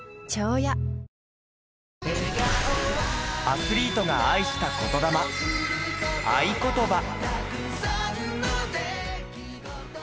アスリートが愛した言魂『愛ことば』。